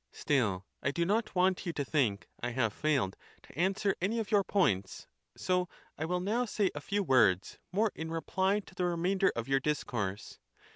Still I do not want you to think I have failed to answer any of your points, so 1 will now say a few words more in reply to the 86 remainder of your discourse.